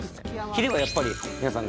ヒレはやっぱり皆さん